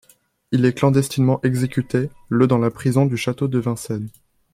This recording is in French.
Il est clandestinement exécuté, le dans la prison du château de Vincennes.